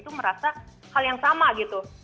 itu merasa hal yang sama gitu